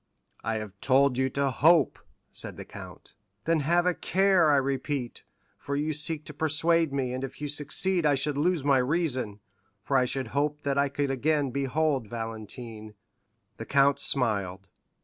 "I have told you to hope," said the count. "Then have a care, I repeat, for you seek to persuade me, and if you succeed I should lose my reason, for I should hope that I could again behold Valentine." The count smiled.